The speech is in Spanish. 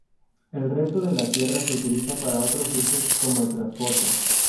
El resto de la tierra se utiliza para otros usos, como el transporte.